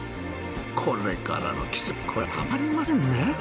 これからの季節こりゃたまりませんね。